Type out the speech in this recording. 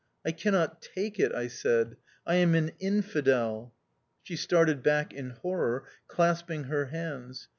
" I cannot take it," I said ;" I am an infidel." She started back in horror, clasping her hands.